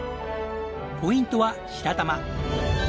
ポイントは白玉。